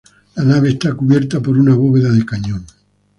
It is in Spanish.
La nave está cubierta por una bóveda de cañón.